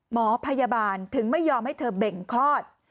หมอพยาบาลถึงไม่ยอมให้เธอเบ่งคลอด